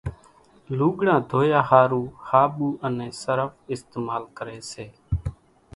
لُوڳڙان ڌويا ۿارُو ۿاٻُو انين صرڦ اِستمال ڪريَ سي۔